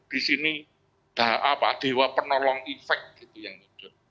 di sini dewa penolong efek yang hidup